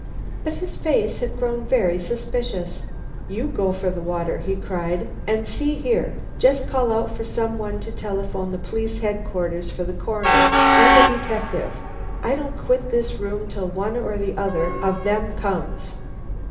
But his face had grown very suspicious. "You go for the water," he cried. "And see here! Just call out for some one to telephone to Police Headquarters for the Coroner and a detective. I don't quit this room till one or the other of them comes."